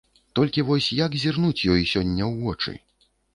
Толькі вось як зірнуць ёй сёння ў вочы?